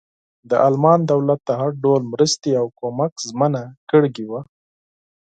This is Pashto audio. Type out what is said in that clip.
د المان دولت د هر ډول مرستې او کمک ژمنه کړې وه.